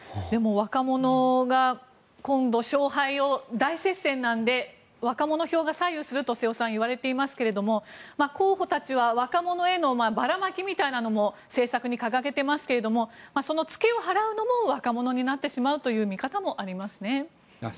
でも若者が今度、勝敗を大接戦なので若者票が左右するといわれていますが候補たちは若者へのばらまきみたいなのも政策に掲げていますがその付けを払うのも若者になってしまうという見方もありますね。